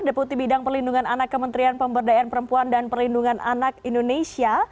deputi bidang pelindungan anak kementerian pemberdayaan perempuan dan perlindungan anak indonesia